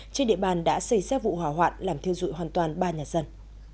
trên địa bàn đã xây ra vụ hỏa hoạn làm thiêu dụi hoàn toàn ba nhà dân